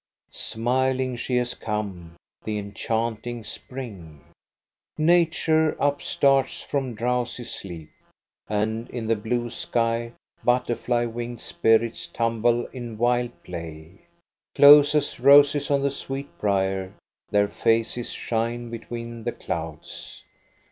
Smiling she has come, the enchanting spring. Nature up starts from drowsy sleep, and in the ilue sky butterfly winged spirits tumble in wild play. Close as roses on the sweet brier, their faces shine between the clouds.